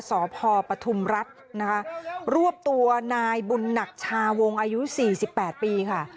สพปฐุมรัฐนะคะรวบตัวนายบุญหนักชาวงอายุ๔๘ปีค่ะ